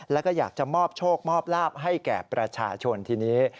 แล้วก็อยากจะมอบโชคมอบลาบให้แก่ประชาชนทีนี้